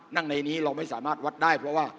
ในนี้เราไม่สามารถวัดได้เพราะว่า